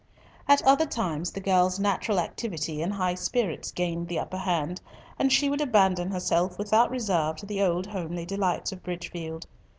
At other times the girl's natural activity and high spirits gained the upper hand, and she would abandon herself without reserve to the old homely delights of Bridgefield.